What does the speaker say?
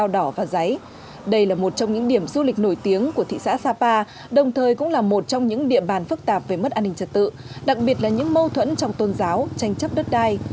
đây là một trong những điểm du lịch nổi tiếng của thị xã sapa đồng thời cũng là một trong những địa bàn phức tạp về mất an ninh trật tự đặc biệt là những mâu thuẫn trong tôn giáo tranh chấp đất đai